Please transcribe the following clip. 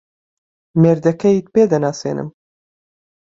مێردەکەیت پێ دەناسێنم.